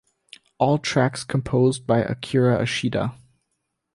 All tracks composed by Akira Ishida